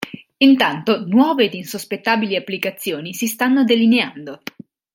Intanto nuove e insospettabili applicazioni si stanno delineando.